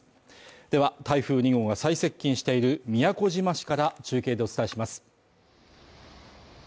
では、台風２号が最接近している宮古島市から中継でお伝えします。